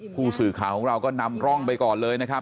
ผู้สื่อข่าวของเราก็นำร่องไปก่อนเลยนะครับ